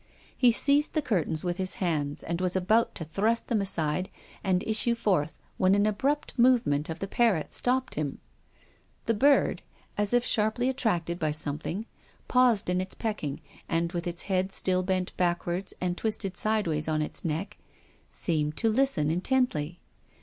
He seized the curtains with his hands and was about to thrust them aside and issue forth when an abrupt movem.ent of the parrot stopped him. The bird, as if PROFESSOR GUILDEA. 313 sharply attracted by something, paused in its pecking, and, with its head still bent backward and twisted sideways on its neck, seemed to listen in tently.